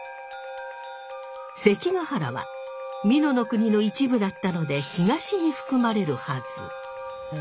関ケ原は美濃国の一部だったので東に含まれるはず。